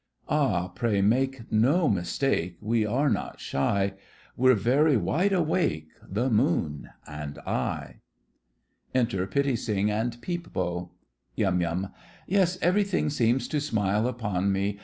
Ah, pray make no mistake, We are not shy; We're very wide awake, The moon and I! Enter Pitti Sing and Peep Bo. YUM. Yes, everything seems to smile upon me.